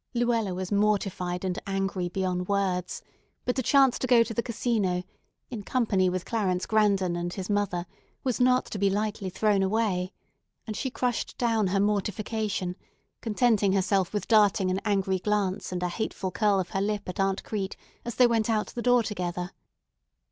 Luella was mortified and angry beyond words, but a chance to go to the Casino, in company with Clarence Grandon and his mother, was not to be lightly thrown away; and she crushed down her mortification, contenting herself with darting an angry glance and a hateful curl of her lip at Aunt Crete as they went out the door together.